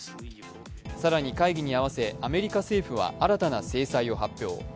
更に、会議に合わせ、アメリカ政府は新たな制裁を発表。